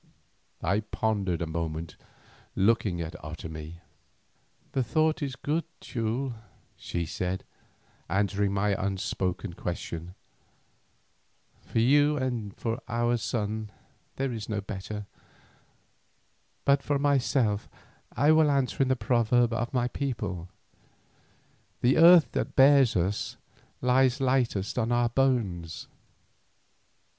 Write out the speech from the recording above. I pondered a moment, looking at Otomie. "The thought is good, Teule," she said, answering my unspoken question; "for you and for our son there is no better, but for myself I will answer in the proverb of my people, 'The earth that bears us lies lightest on our bones.